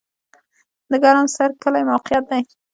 د ګرم سر کلی موقعیت